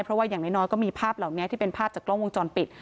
เพราะว่าอย่างน้อยก็มีภาพเหล่านี้ที่เป็นภาพจากกล้องวงจรปิด